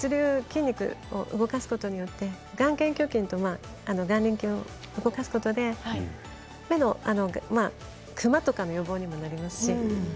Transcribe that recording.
筋肉を動かすことで眼けん挙筋と眼輪筋を動かすことでくまとかの予防にもなりますし